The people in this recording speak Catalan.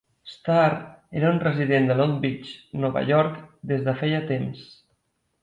Stahr era un resident de Long Beach (Nova York) des de feia temps.